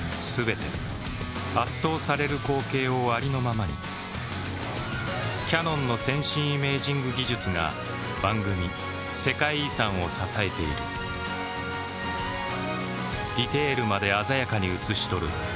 全て圧倒される光景をありのままにキヤノンの先進イメージング技術が番組「世界遺産」を支えているディテールまで鮮やかに映し撮る